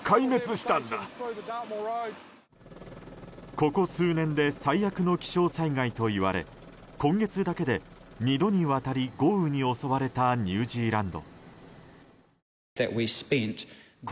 ここ数年で最悪の気象災害といわれ今月だけで２度にわたり豪雨に襲われたニュージーランド。